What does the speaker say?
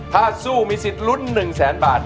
ถ้าสู้มีสิทธิ์ลุ้น๑แสนบาท